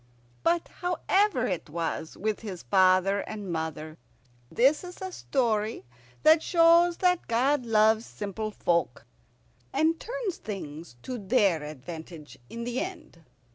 But however it was with his father and mother, this is a story that shows that God loves simple folk, and turns things to their advantage in the end.